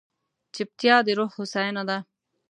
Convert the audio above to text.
چپتیا، د روح هوساینه ده.